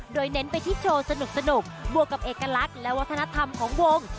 โดยเน้นไปที่โชว์สนุกบวกกับเอกลักษณ์และวัฒนธรรมของวง